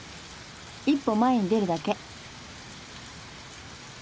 一歩前に出るだけ。